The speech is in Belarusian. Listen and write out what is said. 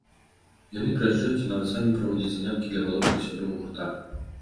Яны прыязджаюць і нават самі праводзяць заняткі для малодшых сяброў гурта.